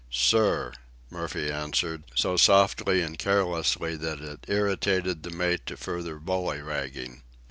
"Sir," Murphy answered, so softly and carelessly that it irritated the mate to further bullyragging.